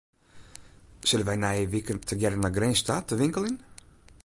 Sille wy nije wike tegearre nei Grins ta te winkeljen?